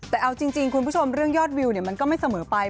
แต่เอาจริงคุณผู้ชมเรื่องยอดวิวมันก็ไม่เสมอไป